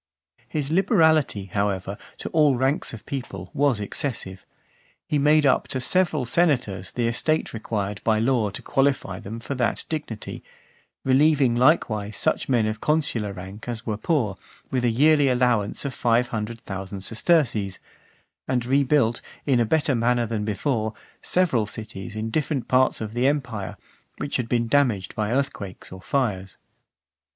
XVII. His liberality, however, to all ranks of people, was excessive. He made up to several senators the estate required (457) by law to qualify them for that dignity; relieving likewise such men of consular rank as were poor, with a yearly allowance of five hundred thousand sesterces ; and rebuilt, in a better manner than before, several cities in different parts of the empire, which had been damaged by earthquakes or fires.